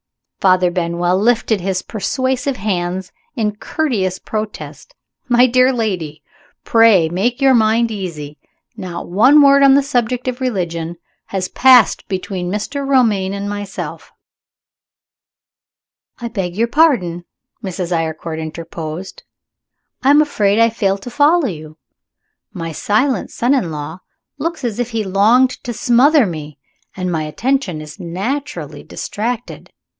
Father Benwell lifted his persuasive hands in courteous protest. "My dear lady! pray make your mind easy. Not one word on the subject of religion has passed between Mr. Romayne and myself " "I beg your pardon," Mrs. Eyrecourt interposed, "I am afraid I fail to follow you. My silent son in law looks as if he longed to smother me, and my attention is naturally distracted.